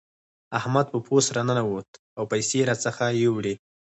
احمد په پوست راننوت او پيسې راڅخه يوړې.